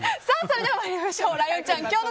それでは参りましょう。